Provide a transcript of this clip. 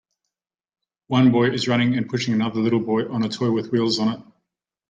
One boy is running and pushing another little boy on a toy with wheels on it.